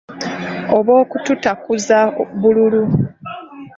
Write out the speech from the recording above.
Obw’okututakuza bululu.